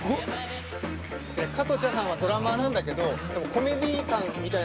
加藤茶さんはドラマーなんだけどコメディー感みたいなもの